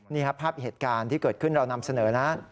นี่ครับภาพเหตุการณ์ที่เกิดขึ้นเรานำเสนอนะ